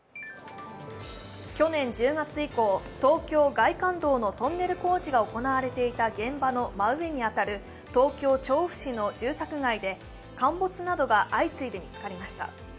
去年１０月以降、東京外環道のトンネル工事が行われていた現場の真上に当たる東京・調布市の住宅街で陥没などが相次いで見つかりました。